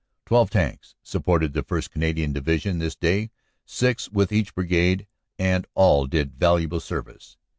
Twelve tanks supported the 1st. Canadian Division this day, six with each Brigade, and all did valuable service.